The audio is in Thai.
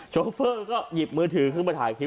โชเฟอร์ก็หยิบมือถือขึ้นมาถ่ายคลิป